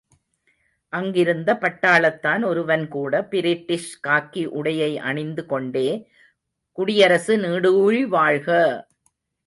அங்கிருந்த பட்டாளத்தான் ஒருவன் கூட, பிரிட்டிஷ் காக்கி உடையை அணிந்து கொண்டே, குடியரசு நீடுழி வாழ்க!